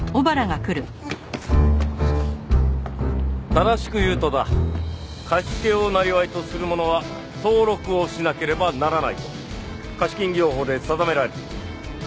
正しく言うとだ貸し付けを生業とする者は登録をしなければならないと貸金業法で定められている。